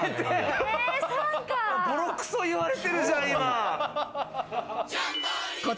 ボロクソ言われてるじゃん、今。